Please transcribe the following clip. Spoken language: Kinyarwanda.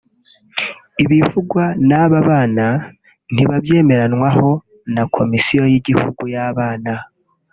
Ibivugwa n’aba bana ntibabyemeranywaho na Komisiyo y’Igihugu y’Abana